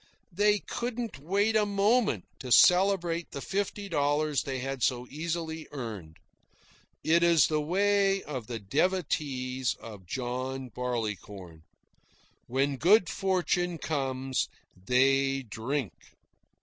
They couldn't wait a moment to celebrate the fifty dollars they had so easily earned. It is the way of the devotees of John Barleycorn. When good fortune comes, they drink.